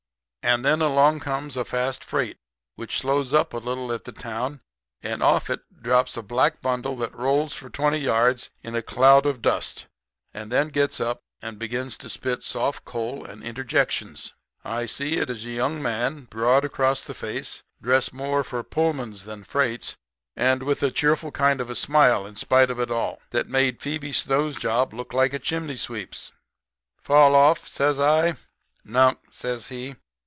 "And then along comes a fast freight which slows up a little at the town; and off of it drops a black bundle that rolls for twenty yards in a cloud of dust and then gets up and begins to spit soft coal and interjections. I see it is a young man broad across the face, dressed more for Pullmans than freights, and with a cheerful kind of smile in spite of it all that made Phoebe Snow's job look like a chimney sweep's. "'Fall off?' says I. "'Nunk,' says he.